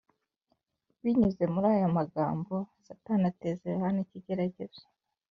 ” Binyuze muri aya magambo, Satani ateza Yohana ikigeragezo